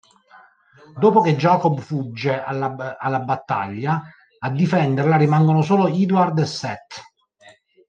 Dopo che Jacob fugge alla battaglia, a difenderla rimangono solo Edward e Seth.